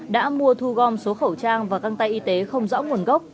đã mua thu gom số khẩu trang và găng tay y tế không rõ nguồn gốc